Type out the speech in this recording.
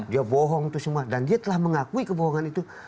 dia bohong itu semua dan dia telah mengakui kebohongan itu